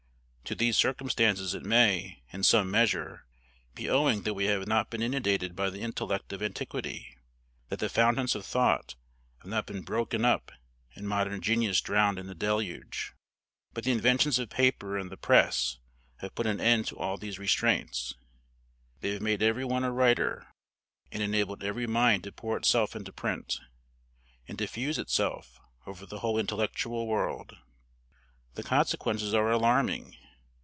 To these circumstances it may, in some measure, be owing that we have not been inundated by the intellect of antiquity that the fountains of thought have not been broken up, and modern genius drowned in the deluge. But the inventions of paper and the press have put an end to all these restraints. They have made every one a writer, and enabled every mind to pour itself into print, and diffuse itself over the whole intellectual world. The consequences are alarming.